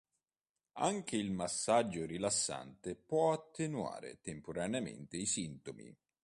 Anche il massaggio rilassante può attenuare temporaneamente i sintomi.